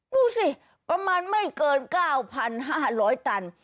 ดูสิประมาณไม่เกิน๙๕๐๐ตัน